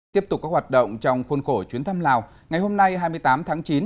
tiếp tục các hoạt động trong khuôn khổ chuyến thăm lào ngày hôm nay hai mươi tám tháng chín